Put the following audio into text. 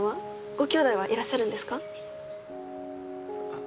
ごきょうだいはいらっしゃるんですか？